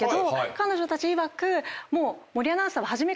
彼女たちいわくもう。